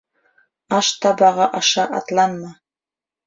Аш табағы аша атланма.